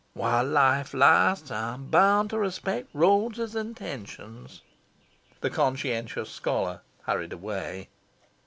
While life lasts, I'm bound to respect Rhodes' intentions." The conscientious Scholar hurried away.